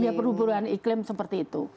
ya perburuan iklim seperti itu